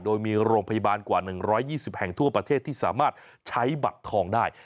โดยมีโรงพยาบาลกว่า๑๒๐แห่งทั่วประเทศที่สามารถใช้บัตรทองได้